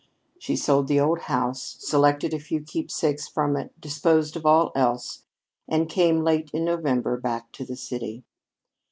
She sold the old house, selected a few keepsakes from it, disposed of all else, and came, late in November, back to the city.